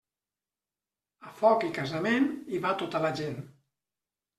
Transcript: A foc i casament, hi va tota la gent.